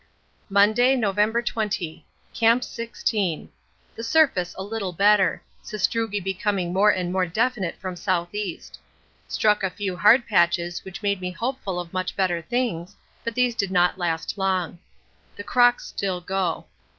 Monday, November 20. Camp 16. The surface a little better. Sastrugi becoming more and more definite from S.E. Struck a few hard patches which made me hopeful of much better things, but these did not last long. The crocks still go.